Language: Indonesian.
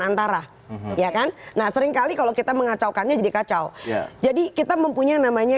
antara ya kan nah seringkali kalau kita mengacaukannya jadi kacau jadi kita mempunyai namanya